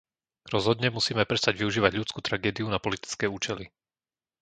Rozhodne musíme prestať využívať ľudskú tragédiu na politické účely.